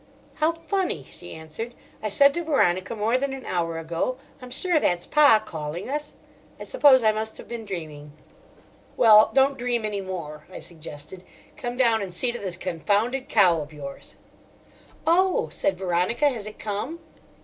"How funny!" she answered. "I said to Veronica more than an hour ago: 'I'm sure that's Pa calling us.' I suppose I must have been dreaming." "Well, don't dream any more," I suggested. "Come down and see to this confounded cow of yours." "Oh," said Veronica, "has it come?"